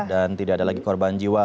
dan tidak ada lagi korban jiwa